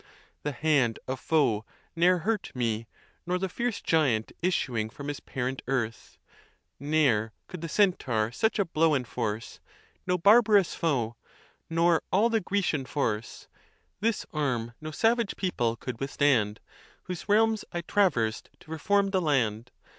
The hand of foe ne'er hurt me, nor the fierce Giant issuing from his parent earth, Ne'er could the Centaur such a blow enforce, No barbarous foe, nor all the Grecian force ; This arm no savage people could withstand, Whose realms I traversed to reform the land.